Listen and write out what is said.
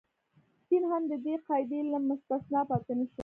دین هم د دې قاعدې له مستثنا پاتې نه شو.